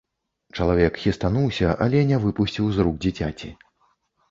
Чалавек хістануўся, але не выпусціў з рук дзіцяці.